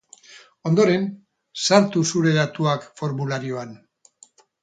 Ondoren, sartu zure datuak formularioan.